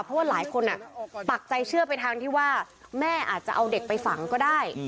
เพราะว่าหลายคนปักใจเชื่อไปทางที่ว่าแม่อาจจะเอาเด็กไปฝังก็ได้